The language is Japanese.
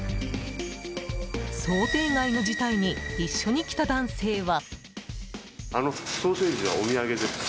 想定外の事態に一緒に来た男性は。